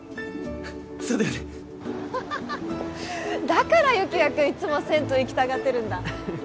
ハハハハだから有起哉くんいつも銭湯行きたがってるんだ